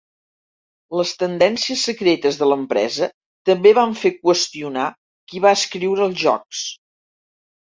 Les tendències secretes de l'empresa també van fer qüestionar qui va escriure els jocs.